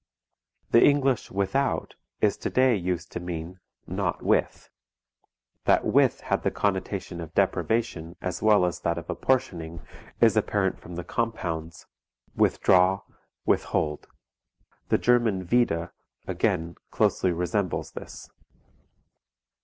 The English without, is to day used to mean "not with"; that "with" had the connotation of deprivation as well as that of apportioning, is apparent from the compounds: withdraw, withhold. The German wieder, again, closely resembles this.